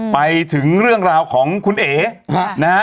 ไปถึงเรื่องราวของคุณเอ๋นะฮะ